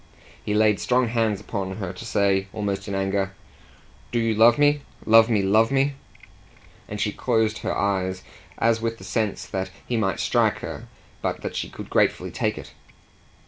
He laid strong hands upon her to say, almost in anger, "Do you love me, love me, love me?" and she closed her eyes as with the sense that he might strike her but that she could gratefully take it.